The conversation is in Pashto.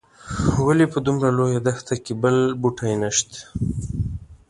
ولې په دومره لویه دښته کې بل بوټی نه شته.